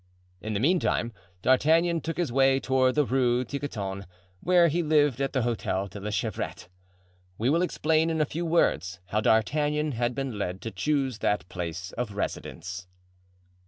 In the meantime D'Artagnan took his way toward the Rue Tiquetonne, where he lived at the Hotel de la Chevrette. We will explain in a few words how D'Artagnan had been led to choose that place of residence.